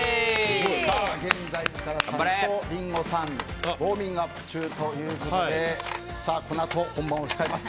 現在、設楽さんとリンゴさんウォーミングアップ中ということでこのあと本番を控えます。